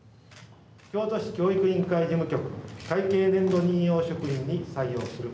京都市教育委員会事務局会計年度任用職員に採用する。